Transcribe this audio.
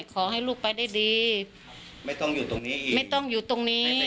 ขอให้ลูกไปได้ดีไม่ต้องอยู่ตรงนี้อีกไม่ต้องอยู่ตรงนี้